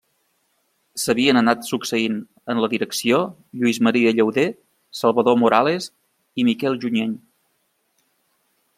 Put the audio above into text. S'havien anat succeint en la direcció Lluís Maria Llauder, Salvador Morales i Miquel Junyent.